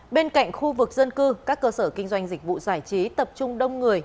bên cạnh khu vực dân cư các cơ sở kinh doanh dịch vụ giải trí tập trung đông người